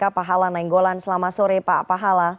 pak hala nainggolan selamat sore pak pahala